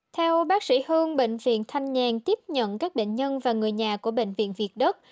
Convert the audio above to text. theo bác sĩ hương bệnh viện thanh nhàn tiếp nhận các bệnh nhân và người nhà của bệnh viện việt đức